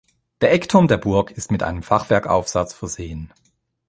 Der Eckturm der Burg ist mit einem Fachwerkaufsatz versehen.